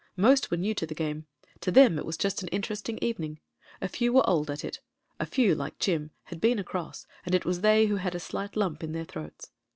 Most were new to the game ; to them it was just an interesting evening; a few were old at it; a few, like Jim, had been across, and it was they who had a slight lump in their throats.